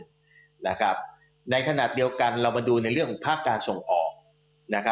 เพราะว่าให้เป็นขณะเดียวกันเรามาดูในเรื่องของภาคการส่งออก